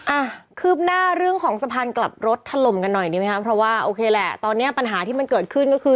คืบหน้าเรื่องของสะพานกลับรถถล่มกันหน่อยดีไหมคะเพราะว่าโอเคแหละตอนเนี้ยปัญหาที่มันเกิดขึ้นก็คือ